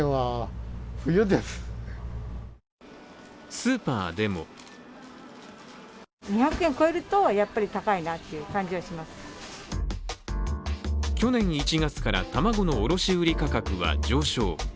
スーパーでも去年１月から、卵の卸売価格は上昇。